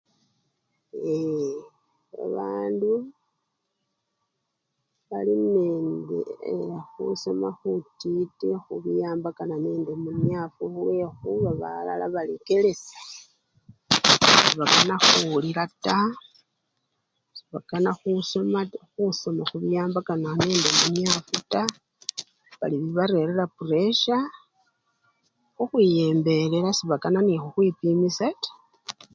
Ee! babandu bali nende khusoma khutitit khubiwambakana nende muniafu lwekhuba balala balekelesya sebakana khuwulila taa, sebakana khusoma taa! khusoma khubiwambakana nende muniafu taa bali bibarerera puresya, khukhwiyembelela sebakana nekhukhwipimisya taa.